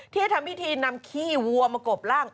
ที่ทำพิธีนำขี้วัวมากบร่าง